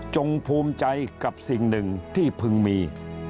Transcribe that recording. ภูมิใจกับสิ่งหนึ่งที่พึงมี